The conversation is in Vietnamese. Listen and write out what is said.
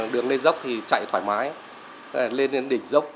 đường lê dốc thì chạy thoải mái lên đến đỉnh dốc